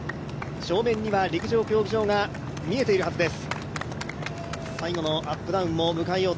正面には陸上競技場が見えているはずです。